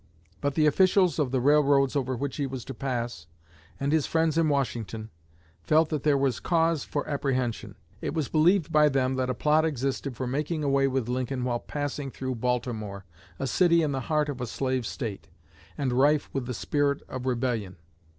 But the officials of the railroads over which he was to pass, and his friends in Washington, felt that there was cause for apprehension. It was believed by them that a plot existed for making away with Lincoln while passing through Baltimore, a city in the heart of a slave State, and rife with the spirit of rebellion.